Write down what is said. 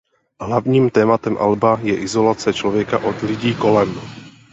Hlavním tématem alba je izolace člověka od lidí kolem.